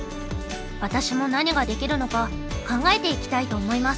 私も何ができるのか考えていきたいと思います。